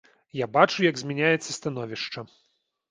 Я бачу, як змяняецца становішча.